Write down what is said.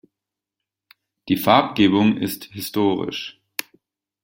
Die Farbgebung ist historisch.